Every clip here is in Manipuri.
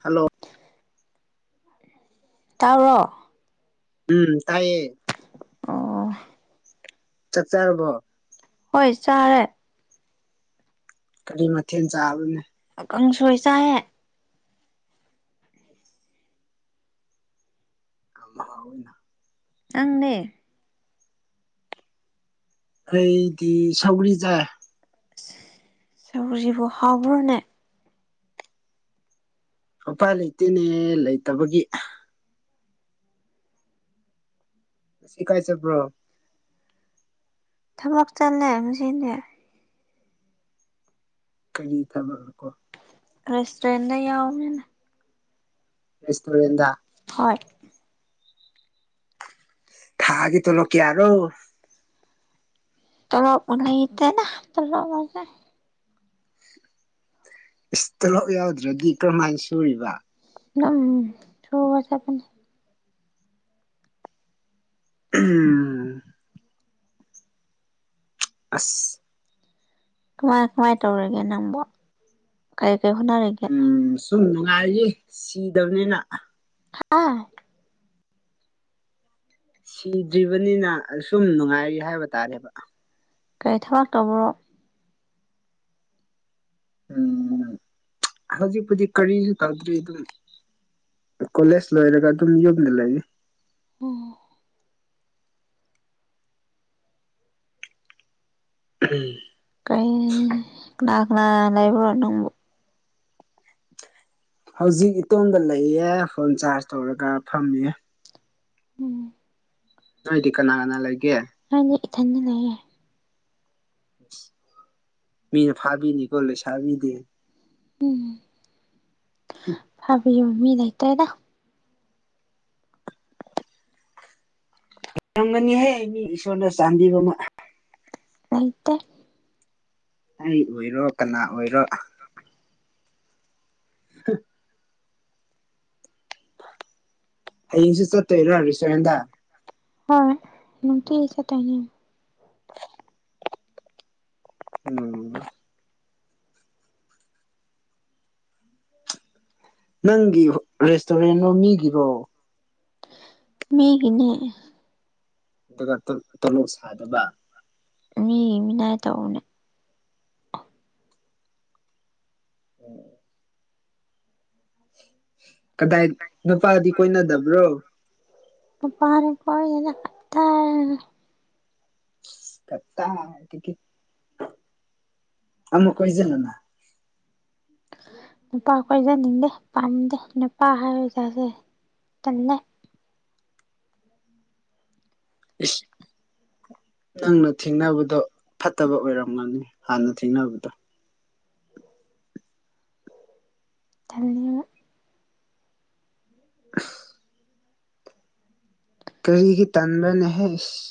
ꯍꯜꯂꯣ ꯇꯔꯣ ꯎꯝ ꯇꯥꯏꯌꯦ ꯑꯣ ꯆꯠ ꯆꯥꯔꯕꯣ ꯍꯣꯏ ꯆꯥꯔꯦ ꯀꯔꯤ ꯃꯊꯦꯜ ꯆꯥꯕꯅꯦ ꯀꯪꯁꯣꯏ ꯆꯥꯏꯍꯦ ꯀ ꯑꯣꯏꯣꯏꯅ [unintelligible] ꯅꯪꯅꯦ ꯑꯩꯗꯤ ꯁꯧꯒ꯭ꯔꯤ ꯆꯥꯏ ꯁꯧꯁꯤꯕꯨ ꯍꯥꯎꯕ꯭ꯔꯣꯅꯦ ꯎꯄꯥꯏ ꯂꯩꯇꯦꯅꯦ ꯂꯩꯇꯕꯒꯤ ꯁꯤ ꯀꯥꯏ ꯆꯕ꯭ꯔꯣ ꯊꯕꯛ ꯆꯜꯂꯦ ꯃꯁꯤꯗꯤ ꯀꯔꯤ ꯊꯕꯒꯀꯣ ꯔꯦꯁꯇꯣꯔꯦꯟꯗ ꯌꯥꯎꯕꯤꯅꯦ ꯔꯁꯇꯨꯔꯦꯟꯗ ꯍꯣꯏ ꯊꯥꯒꯤ ꯇꯣꯂꯣꯞ ꯀꯌꯥꯅꯣ ꯇꯂꯣꯞ [unintelligible] ꯏꯁ ꯇꯂꯣꯞ ꯌꯥꯎꯗ꯭ꯔꯗꯤ ꯀꯔꯝꯍꯥꯏꯅ ꯁꯨꯔꯤꯕ [unintelligible] ꯎꯝ ꯑꯁ ꯀꯃꯥꯏ ꯀꯃꯥꯏ ꯇꯧꯔꯤꯒꯦ ꯅꯪꯕ ꯀꯔꯤ ꯀꯔꯤ ꯍꯣꯠꯅꯔꯤꯒꯦ ꯎꯝ ꯁꯨꯝ ꯅꯨꯡꯉꯥꯏꯌꯦ ꯁꯤꯗꯕꯅꯤꯅ ꯍꯥꯥ ꯁꯤꯗ꯭ꯔꯤꯕꯅꯤꯅ ꯑꯁꯨꯝ ꯅꯨꯡꯉꯥꯏꯔꯤ ꯍꯥꯏꯕ ꯇꯥꯔꯦꯕ ꯀꯔꯤ ꯊꯕꯛ ꯇꯧꯕꯔꯣ ꯎꯝ ꯍꯧꯖꯤꯛꯄꯨꯗꯤ ꯀꯔꯤꯁꯨ ꯇꯥꯗ꯭ꯔꯤ ꯑꯗꯨꯝ ꯀꯣꯂꯦꯖ ꯂꯣꯏꯔꯒ ꯑꯗꯨꯝ ꯌꯨꯝꯗ ꯂꯩꯔꯤ ꯎꯝ ꯎꯝ ꯀꯩ ꯀꯅꯥ ꯀꯅꯥꯥ ꯂꯩꯕ꯭ꯔꯣ ꯅꯪꯕꯨ ꯍꯧꯖꯤꯛ ꯏꯇꯨꯝꯗ ꯂꯩꯌꯦ ꯐꯣꯟ ꯆꯥꯔꯖ ꯇꯧꯔꯒ ꯐꯝꯃꯤ ꯎꯝ ꯅꯣꯏꯗꯤ ꯀꯅꯥ ꯀꯅꯥ ꯂꯩꯦ ꯑꯩꯗꯤ ꯏꯊꯟꯗ ꯂꯩꯌꯦꯦ ꯃꯤꯅ ꯐꯥꯕꯤꯅꯤꯀꯣ ꯂꯩꯁꯥꯥꯕꯤꯗꯤ ꯎꯝ ꯐꯕꯤꯌꯨ ꯃꯤ ꯂꯩꯇ꯭ꯔꯦꯗ ꯉꯝꯒꯅꯤꯍꯦ ꯃꯤ ꯏꯁꯣꯔꯅ ꯆꯥꯟꯕꯤꯕꯃꯥ ꯂꯩꯇꯦ ꯑꯩ ꯑꯣꯏꯔꯣ ꯀꯅꯥ ꯑꯣꯏꯔꯣ [unintelligible] ꯍꯌꯦꯡꯁꯨ ꯆꯠꯇꯣꯏꯔꯣ ꯔꯦꯁꯇꯨꯔꯦꯟꯗ ꯍꯣꯏ ꯅꯨꯡꯇꯤꯒꯤ ꯆꯠꯇꯣꯏꯅꯦ ꯎꯝ ꯅꯪꯒꯤ ꯔꯦꯁꯇꯨꯔꯦꯟꯔꯣ ꯃꯤꯒꯤꯔꯣ ꯃꯤꯒꯤꯅꯦ ꯑꯗꯨꯒ ꯇꯥ ꯇꯣꯂꯣꯞ ꯁꯥꯗꯕ ꯃꯤꯒꯤ ꯃꯤꯅꯥꯏ ꯇꯧꯕꯅꯦ ꯎꯝ ꯀꯗꯥꯏ ꯅꯨꯄꯥꯗꯤ ꯀꯣꯏꯅꯗꯕ꯭ꯔꯣ ꯅꯨꯄꯥꯅꯤ ꯀꯣꯏꯒꯦꯅ ꯍꯥꯏꯇꯦ ꯀꯇꯥꯏꯇꯥꯀꯤ ꯑꯃꯨ ꯀꯖꯤꯜꯂꯨꯅ ꯅꯨꯄꯥ ꯀꯣꯏꯖꯅꯤꯡꯗꯦ ꯄꯥꯝꯗꯦ ꯅꯨꯄꯥ ꯍꯥꯏꯕ ꯖꯥꯁꯦ ꯇꯜꯂꯦ ꯏꯁ ꯅꯪꯅ ꯊꯦꯡꯅꯕꯗꯣ ꯐꯠꯇꯕ ꯑꯣꯏꯔꯝꯒꯅꯤ ꯍꯥꯟꯅ ꯊꯦꯡꯅꯕꯗꯣ ꯇꯜꯂꯤ ꯀꯔꯤꯒꯤ ꯇꯟꯕꯅꯦꯍꯦ ꯏꯁ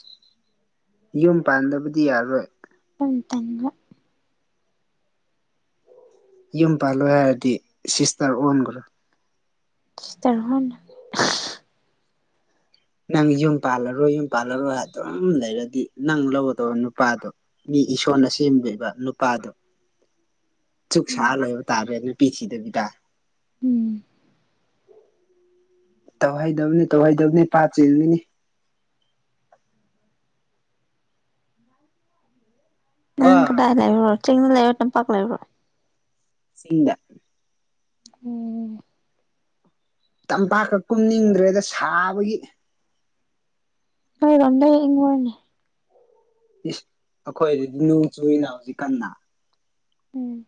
ꯌꯨꯝ ꯄꯥꯟꯗꯕꯗꯤ ꯌꯥꯔꯣꯏ ꯄꯨꯟ ꯇꯟꯕ ꯌꯨꯝ ꯄꯥꯜꯂꯣꯏ ꯍꯥꯏꯔꯗꯤ ꯁꯤꯁꯇꯔ ꯑꯣꯟꯒ꯭ꯔꯣ ꯁꯤꯇꯔ ꯑꯣꯏꯅ ꯅꯪ ꯌꯨꯝ ꯄꯥꯜꯂꯔꯣꯏ ꯌꯨꯝ ꯄꯥꯜꯂꯔꯣꯏ ꯑꯗꯨꯝ ꯂꯩꯔꯗꯤ ꯅꯪ ꯂꯧꯒꯗꯧꯕ ꯅꯨꯞ ꯄꯥꯗꯣ ꯃꯤ ꯏꯁꯣꯔꯅ ꯁꯦꯝꯕꯤꯕ ꯅꯨꯄꯥꯗꯣ ꯆꯨꯛ ꯁꯥ ꯂꯩꯕ ꯇꯥꯔꯦ ꯅꯨꯄꯤ ꯊꯤꯗꯕꯤꯗ ꯎꯝ ꯇꯧꯍꯩꯗꯕꯅꯤ ꯇꯧꯍꯩꯗꯕꯅꯤ ꯄꯥꯞ ꯆꯦꯟꯒꯅꯤ ꯀꯣ ꯅꯪ ꯀꯗꯥꯏ ꯂꯩꯕ꯭ꯔꯣ ꯆꯤꯡꯗ ꯂꯩꯕ꯭ꯔꯣ ꯇꯝꯄꯥꯥꯛ ꯂꯩꯕ꯭ꯔꯣ ꯆꯤꯡꯗ ꯑꯣ ꯇꯝꯄꯥꯛꯀ ꯀꯨꯝꯅꯤꯡꯗ꯭ꯔꯦꯗ ꯁꯥꯕꯒꯤ ꯅꯣꯏꯔꯣꯝꯗ ꯏꯪꯕꯔꯥꯅꯦ ꯏꯁ ꯑꯩꯈꯣꯏꯗꯗꯤ ꯅꯣꯡ ꯆꯨꯏꯅ ꯍꯧꯖꯤꯛ ꯀꯟꯅ ꯎꯝ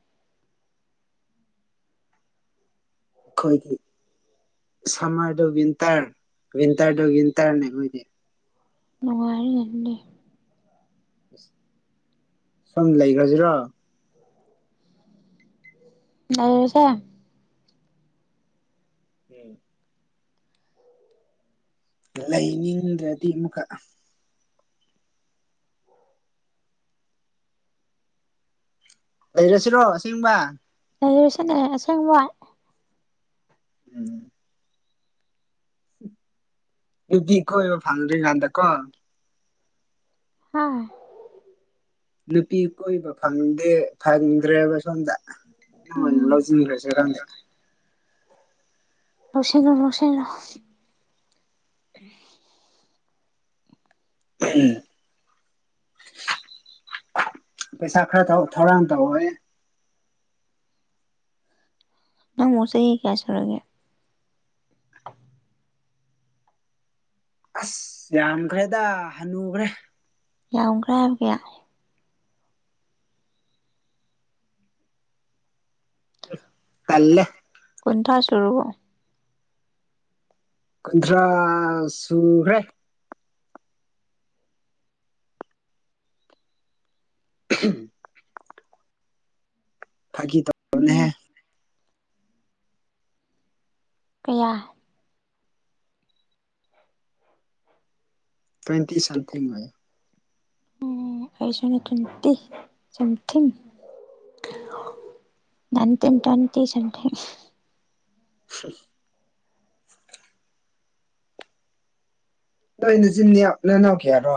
ꯑꯩꯈꯣꯏꯗꯤ ꯁꯝꯃꯔꯗꯨ ꯋꯤꯟꯇꯔ ꯋꯤꯟꯇꯔꯗꯨ ꯋꯤꯟꯇꯔꯅꯦ ꯑꯩꯈꯣꯏꯗꯤ ꯅꯨꯡꯉꯥꯏꯔꯦꯅꯦ ꯑꯗꯨꯗꯤ ꯁꯨꯝ ꯂꯩꯒꯔꯥꯖꯤꯔꯥ ꯂꯩꯔꯁꯦ ꯎꯝ ꯂꯩꯅꯤꯡꯗ꯭ꯔꯗꯤ ꯑꯃꯨꯛꯀ ꯂꯩꯔꯁꯤꯔꯣ ꯑꯁꯦꯡꯕ ꯂꯩꯔꯁꯤꯅꯦ ꯑꯁꯦꯡꯕ ꯎꯝ ꯅꯨꯄꯤ ꯀꯣꯏꯕ ꯐꯪꯗꯔꯤꯒꯥꯟꯗꯀꯣ ꯍꯥꯏ ꯅꯨꯄꯤ ꯀꯣꯏꯕ ꯐꯪꯗꯦ ꯐꯪꯗ꯭ꯔꯦꯕ ꯁꯣꯝꯗ ꯅꯪ ꯑꯣꯏꯅ ꯎꯝ ꯂꯧꯁꯤꯟꯈ꯭ꯔꯁꯤꯔ ꯈꯪꯗꯦ ꯂꯧꯁꯤꯜꯂꯣ ꯂꯧꯁꯤꯜꯂꯣ [unintelligible] ꯄꯩꯁꯥ ꯈꯔ ꯊꯧ ꯊꯧꯔꯥꯡ ꯇꯧꯍꯦ ꯅꯪꯕꯨ ꯆꯍꯤ ꯀꯌꯥ ꯁꯨꯔꯒꯦ ꯑꯁ ꯌꯥꯝꯈ꯭ꯔꯦꯗ ꯍꯅꯨꯈ꯭ꯔꯦ ꯌꯥꯝꯈꯔꯦ ꯍꯥꯏꯕ ꯀꯌꯥ ꯇꯜꯂꯦ ꯀꯨꯟꯊꯔꯥ ꯁꯨꯔꯕꯣ ꯀꯨꯟꯊ꯭ꯔꯥ ꯁꯨꯈ꯭ꯔꯦ [unintelligible] ꯐꯥꯒꯤ ꯇꯧꯕꯅꯦꯍꯦ ꯃꯤꯅꯠ ꯀꯌꯥ ꯇꯣꯋꯦꯟꯇꯤ ꯁꯝꯊꯤꯡ ꯑꯣꯏꯌꯦ ꯎꯝ ꯑꯩꯁꯨꯅꯦ twenty something nineteen twenty something [unintelligible] ꯅꯣꯏ ꯅꯆꯤꯟꯅꯤꯌꯥꯎ ꯅꯅꯥꯎ ꯀꯤꯌꯥꯔꯣ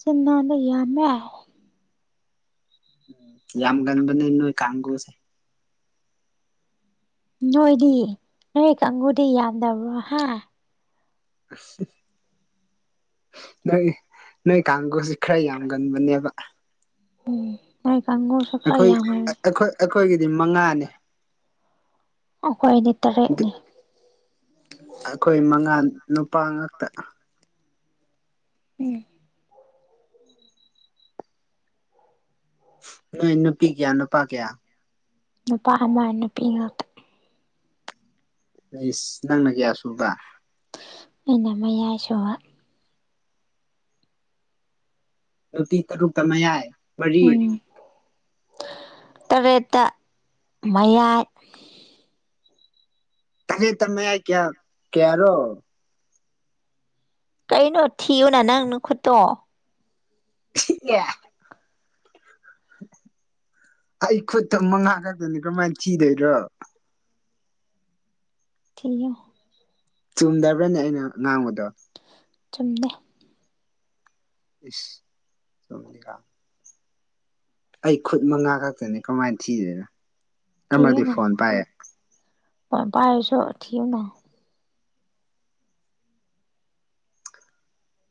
ꯆꯤꯟꯅꯥꯎꯗꯣ ꯌꯥꯝꯃꯦ ꯌꯥꯝꯒꯟꯕꯅꯦ ꯅꯣꯏ ꯀꯥꯡꯒꯨꯁꯦ ꯅꯣꯏꯗꯤ ꯅꯣꯏ ꯀꯥꯡꯒꯨꯗꯤ ꯌꯥꯝꯗꯕ꯭ꯔꯣ ꯍꯥ [unintelligible] ꯅꯣꯏ ꯅꯣꯏ ꯀꯥꯡꯒꯨꯁꯤ ꯈꯔ ꯌꯥꯝꯒꯟꯕꯅꯦꯕ ꯎꯝ ꯅꯣꯏ ꯀꯥꯡꯒꯨꯁꯨ ꯈꯔ ꯑꯩꯈꯣꯏ ꯌꯥꯝꯒꯅꯤ ꯑꯈꯣꯏ ꯑꯩꯈꯣꯏꯒꯤꯗꯤ ꯃꯉꯥꯅꯦ ꯑꯩꯈꯣꯏꯗꯤ ꯇꯔꯦꯠꯅꯦ ꯑꯈꯣꯏ ꯃꯉꯥꯜ ꯅꯨꯄꯥ ꯉꯥꯛꯇ ꯎꯝ ꯅꯣꯏ ꯅꯨꯄꯤ ꯀꯌꯥ ꯅꯨꯄꯥ ꯀꯌꯥ ꯅꯨꯄꯥ ꯑꯃ ꯅꯨꯄꯤ ꯉꯥꯛꯇ ꯑꯩꯁ ꯅꯪꯅ ꯀꯌꯥ ꯁꯨꯕ ꯑꯩꯅ ꯃꯌꯥꯏꯁꯨꯕ ꯔꯣꯇꯤ ꯇꯔꯨꯛꯇ ꯃꯌꯥꯥꯢ ꯎꯝ ꯇꯔꯦꯠꯇ ꯃꯌꯥꯏ ꯇꯔꯦꯠꯇ ꯃꯌꯥꯏ ꯀꯌꯥ ꯀꯌꯥꯔꯣ ꯀꯩꯅꯣ ꯊꯤꯌꯨꯅ ꯅꯪ ꯅꯈꯨꯠꯇꯣ ꯊꯤꯠꯌꯥ ꯑꯩ ꯈꯨꯠꯇ ꯃꯉꯥꯏ ꯈꯛꯇꯅꯤ ꯀꯔꯝꯍꯥꯏꯅ ꯊꯤꯗꯣꯏ꯭ꯔꯣ ꯊꯤꯌꯣ ꯆꯨꯝꯗꯕ꯭ꯔꯅꯦ ꯑꯩꯅ ꯉꯥꯡꯕꯗꯣ ꯆꯨꯝꯗꯦ ꯏ ꯆꯨꯝꯅꯤꯀ ꯑꯩ ꯈꯨꯠ ꯃꯉꯥ ꯈꯛꯇꯅꯤ ꯀꯃꯥꯏꯅ ꯊꯤꯗꯦꯅ ꯊꯤꯌꯨꯅꯦ ꯐꯣꯟ ꯄꯥꯢꯔꯁꯨ ꯊꯤꯌꯨꯅ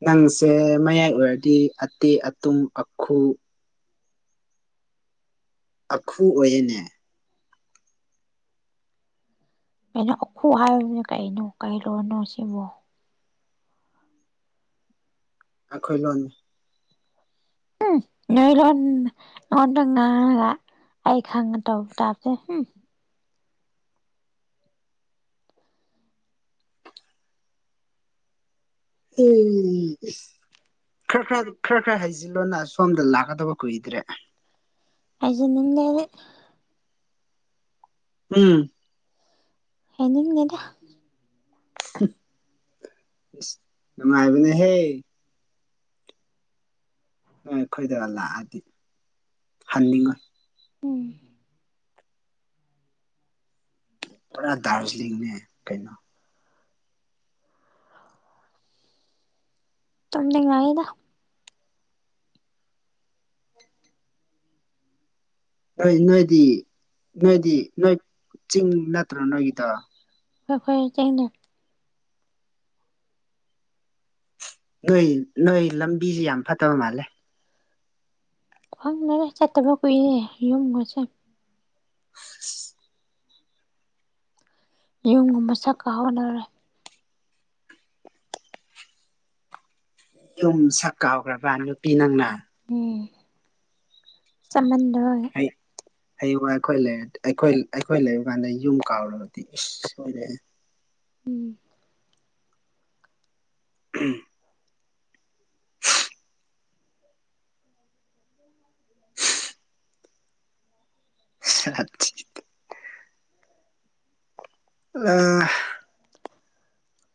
ꯅꯪꯁꯦ ꯃꯌꯥꯏ ꯑꯣꯏꯔꯗꯤ ꯑꯇꯦꯛ ꯑꯇꯨꯝ ꯑꯈꯨ ꯑꯈꯨ ꯑꯣꯏꯌꯦꯅꯦ ꯀꯩꯅꯣ ꯑꯈꯨ ꯍꯥꯏꯕꯃꯤꯅ ꯀꯩꯅꯣ ꯀꯩ ꯂꯣꯟꯅꯣ ꯁꯤꯕꯣ ꯑꯈꯣꯏ ꯂꯣꯟꯅꯤ ꯎꯝ ꯅꯣꯏ ꯂꯣꯟ ꯑꯩꯉꯣꯟꯗ ꯉꯥꯡꯉꯒ ꯑꯩ ꯈꯪꯉ ꯇꯧꯕ ꯇꯥꯞꯇ ꯍꯨꯝ ꯍꯨꯝ ꯈꯔ ꯈꯔ ꯈꯔ ꯈꯔ ꯍꯩꯖꯤꯜꯂꯣꯅ ꯁꯣꯝꯗ ꯂꯥꯛꯀꯗꯕ ꯀꯨꯏꯗ꯭ꯔꯦ ꯍꯥꯏꯖꯤꯜꯃꯟꯂꯦ ꯎꯝ ꯍꯦꯅꯤꯡ ꯅꯤꯗ [unintelligible] ꯅꯨꯡꯉꯥꯏꯕꯅꯦ ꯍꯦ ꯅꯣꯏ ꯑꯩꯈꯣꯏꯗꯒ ꯂꯥꯛꯑꯗꯤ ꯍꯟꯅꯤꯡꯉꯣꯏ ꯎꯝ ꯄꯨꯔꯥ ꯗꯥꯔꯖꯤꯂꯤꯡꯅꯦ ꯀꯩꯅꯣ ꯇꯝꯅꯤꯡꯂꯩꯢꯗ ꯅꯣꯏ ꯅꯣꯏꯗꯤ ꯅꯣꯏꯗꯤ ꯅꯣꯏ ꯆꯤꯡ ꯅꯠꯇ꯭ꯔꯣ ꯅꯣꯏꯒꯤꯗꯣ ꯍꯣꯏ ꯈꯣꯏ ꯆꯤꯡꯅꯩ ꯅꯣꯏ ꯅꯣꯏ ꯂꯝꯕꯤꯖꯨ ꯌꯥꯝ ꯐꯠꯇꯕ ꯃꯥꯜꯂꯦ ꯈ꯭ꯋꯪꯗꯔꯦ ꯆꯠꯇꯕ ꯀꯨꯏꯔꯦ ꯌꯨꯝꯒꯁꯦ [unintelligible] ꯌꯨꯝꯒꯨꯝꯕ ꯁꯛꯀ ꯍꯣꯠꯅꯔꯦ ꯌꯨꯝ ꯁꯛ ꯀꯥꯎꯈ꯭ꯔꯕ ꯅꯨꯄꯤ ꯅꯪꯅ ꯎꯝ ꯆꯠꯃꯟꯗꯕꯒꯤ [unintelligible] ꯍꯌꯦꯡꯋꯥꯢ ꯑꯩꯈꯣꯏ ꯂꯩ ꯑꯩꯈꯣꯏ ꯑꯩꯈꯣꯏ ꯂꯩꯕ ꯀꯥꯟꯗ ꯌꯨꯝ ꯀꯥꯎꯔꯕꯗꯤ ꯏꯁ ꯁꯣꯏꯔꯦꯍꯦ ꯎꯝ [unintelligible] ꯁꯥꯍꯊꯤ [unintelligible]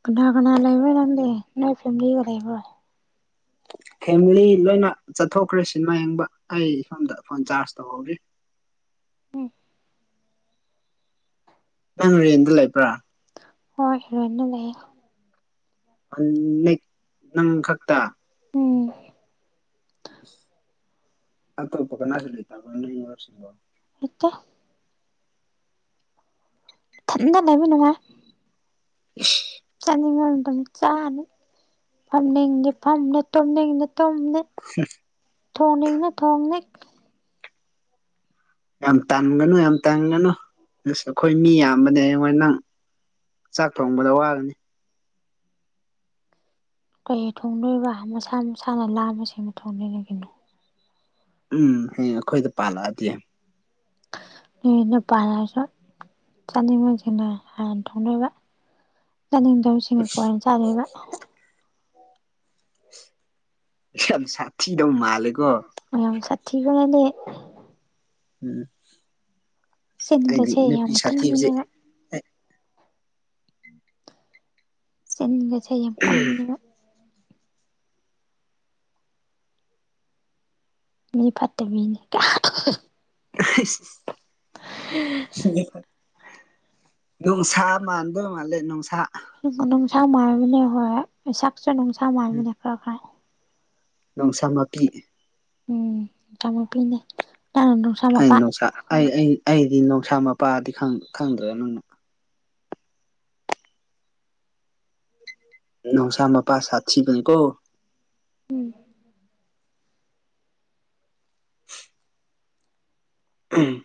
ꯀꯅꯥꯀꯅꯥ ꯂꯩꯕꯔꯩ ꯅꯪꯗꯦ ꯅꯣꯢ ꯐꯦꯃꯤꯂꯤꯒ ꯂꯩꯕꯔꯣ ꯐꯦꯃꯤꯂꯤ ꯂꯣꯏꯅ ꯆꯠꯊꯣꯛꯈ꯭ꯔꯦ ꯁꯤꯃꯥꯏ ꯌꯦꯡꯕ ꯑꯩ ꯁꯣꯝꯗ ꯐꯣꯟ ꯆꯥꯔꯖ ꯇꯧꯍꯧꯔꯤ ꯎꯝ ꯅꯪ ꯔꯦꯟꯗ ꯂꯩꯕ꯭ꯔꯥ ꯍꯣꯏ ꯔꯦꯟꯗ ꯂꯩꯌꯦ [unintelligible] ꯅꯪ ꯈꯛꯇ ꯎꯝ ꯑꯇꯣꯞꯄ ꯀꯅꯥꯁꯨ ꯂꯩꯇꯕꯥ ꯅꯣꯏ ꯃꯔꯨꯞꯁꯤꯡꯗꯣ ꯂꯩꯇꯦ ꯢꯊꯟꯗ ꯂꯩꯕ ꯅꯨꯉꯥꯏ [unintelligible] ꯆꯥꯅꯤꯡꯕ ꯃꯇꯝ ꯑꯗꯨꯝ ꯆꯥꯅꯤ ꯐꯝꯅꯤꯡꯗꯦ ꯐꯝꯅ ꯇꯨꯝꯅꯤꯡꯗ ꯇꯨꯝꯅꯦ [unintelligible] ꯊꯣꯡꯅꯤꯡꯅ ꯊꯣꯡꯅꯤ ꯌꯥꯝ ꯇꯟꯒꯅꯨ ꯌꯥꯝ ꯇꯟꯒꯅꯨ ꯑꯁ ꯑꯩꯈꯣꯏ ꯃꯤ ꯌꯥꯝꯕꯅꯦ ꯑꯩꯉꯣꯟ ꯅꯪ ꯆꯥꯛ ꯊꯣꯡꯕꯗ ꯋꯥꯒꯅꯤ ꯀꯩ ꯊꯣꯡꯅꯣꯏꯕ ꯃꯁꯥ ꯃꯁꯥꯅ ꯂꯥꯝꯕ ꯁꯦꯝꯕ ꯊꯣꯡꯅꯅꯒꯤꯅꯣ ꯎꯝ ꯍꯌꯦꯡ ꯑꯩꯈꯣꯏꯗ ꯄꯥꯜꯂꯛꯑꯗꯤ ꯅꯣꯏ꫰ꯌꯨꯝꯗ ꯄꯟꯂꯀꯁꯨ ꯆꯥꯅꯤꯡ ꯕꯥ ꯁꯤꯡꯅ ꯍꯟꯅꯥ ꯊꯣꯡ ꯗꯣꯏꯕ ꯆꯥꯅꯤꯡꯗꯕꯁꯤꯡ ꯅꯥ ꯀꯣꯟꯅꯥ ꯆꯥꯗꯣꯏꯕ ꯌꯥꯝ ꯁꯥꯊꯤꯗꯧ ꯃꯥꯜꯂꯦꯀꯣ ꯑꯣ ꯌꯥꯝ ꯁꯥꯊꯤꯒꯅꯗꯦ ꯎꯝ ꯑꯩꯗꯤ ꯆꯤꯟꯒꯁꯦ ꯅꯨꯄꯤ ꯌꯥꯝ ꯁꯥꯊꯤꯕꯁꯦ ꯀꯟꯕꯅꯦꯕ ꯆꯦꯟꯅꯤꯡꯕꯁꯦ ꯌꯥꯝ ꯀꯥꯅꯤꯡꯗꯦꯕ ꯃꯤ ꯐꯠꯇ ꯃꯤꯅꯦ ꯀ ꯑꯥ [unintelligible] ꯎꯝ [unintelligible] [unintelligible] ꯅꯨꯡꯁꯥ ꯃꯥꯟꯗꯣꯏ ꯃꯥꯜꯂꯦ ꯅꯨꯡꯁꯥ ꯅꯨꯡꯁꯥ ꯃꯥꯏꯕꯅꯦ ꯍꯣꯏ ꯍꯣꯏ ꯁꯥꯛꯁꯨ ꯅꯨꯡꯁꯥ ꯃꯥꯏꯕꯅꯦ ꯈꯔ ꯈꯔ ꯅꯨꯡꯁꯥ ꯃꯄꯤ ꯎꯝ ꯅꯣꯡꯁꯥ ꯃꯄꯤꯅꯦ ꯇꯔꯣꯅꯨ ꯑꯩ ꯅꯨꯡꯁꯥ ꯑꯩ ꯑꯩ ꯑꯩꯗꯤ ꯅꯨꯡꯁꯥ ꯃꯄꯥꯗꯤ ꯈꯪꯗ꯭ꯔ ꯅꯪꯅ ꯅꯧꯁꯥ ꯃꯄꯥ ꯁꯥꯊꯤꯕ ꯀꯣ ꯎꯝ ꯎꯝ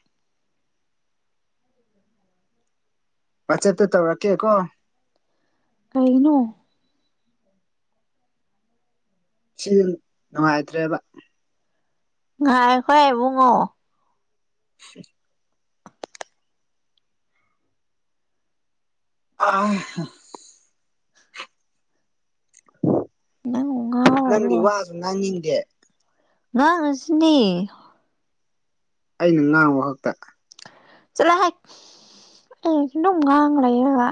ꯋꯥꯆꯠꯇ ꯇꯧꯔꯛꯀꯦꯀꯣ ꯀꯩꯅꯣ ꯁꯤ ꯅꯨꯡꯉꯥꯏꯇ꯭ꯔꯦꯕ ꯉꯥꯏꯈꯣ ꯏꯕꯨꯡꯉꯣ ꯎ ꯑ [unintelligible] ꯅꯪ ꯅꯪꯗꯤ ꯉꯥꯎꯔꯕꯣ ꯋꯥꯁꯨ ꯉꯥꯡꯅꯤꯡꯗꯦ ꯉꯥꯉꯁꯤꯅꯤ ꯑꯩꯅ ꯉꯥꯡꯕ ꯈꯛꯇ ꯆꯂꯍꯦ ꯑꯩꯅꯁꯨ ꯗꯨꯝ ꯉꯥꯡ ꯂꯩꯔꯒꯥ